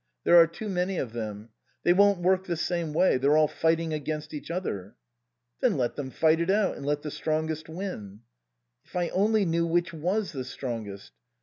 There are too many of them. They won't work the same way. They're all fighting against each other." "Then let them fight it out, and let the strongest win." " If I only knew which tvas the strongest."